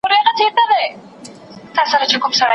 محصلین له سهار راهیسې د شعر قافیې لټوي.